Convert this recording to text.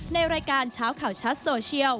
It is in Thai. ในรายการเช้าข่าวชัดโซเชียล